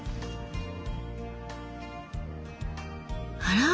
あら！